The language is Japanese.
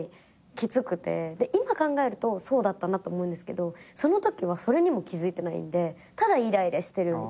今考えるとそうだったなと思うんですけどそのときはそれにも気付いてないんでただイライラしてるみたいな。